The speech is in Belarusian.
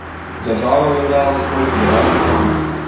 Дзяржава ўяўляла сабой федэрацыю камун.